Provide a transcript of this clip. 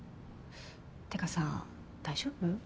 てかさ大丈夫？